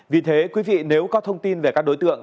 vì thế quý vị nếu có thông tin về các đối tượng